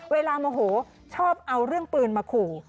เวลาโมโหชอบเอาเรื่องปืนมาขู่